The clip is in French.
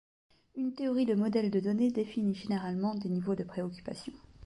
Une théorie de modèle de données définit généralement des niveaux de préoccupation.